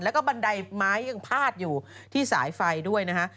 แล้วก็บันไดไม้ยังพาดอยู่ที่สายไฟด้วยนะฮะ